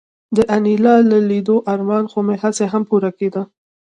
د انیلا د لیدو ارمان خو مې هسې هم پوره کېده